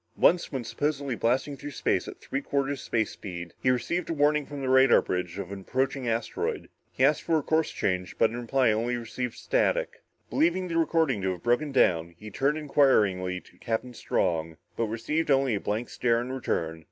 Once, when supposedly blasting through space at three quarters space speed, he received a warning from the radar bridge of an approaching asteroid. He asked for a course change, but in reply received only static. Believing the recording to have broken down, he turned inquiringly to Captain Strong, but received only a blank stare in return.